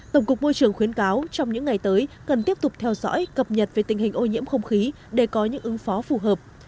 tổng cục môi trường khuyến cáo trong những ngày tới cần tiếp tục theo dõi cập nhật về tình hình ô nhiễm không khí để có những ứng phó phù hợp